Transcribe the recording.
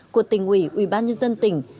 của tỉnh ủy ubnd tỉnh